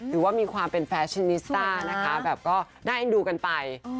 ถือว่ามีความเป็นแฟชั่นนิสตานะคะแบบได้ดูกันไป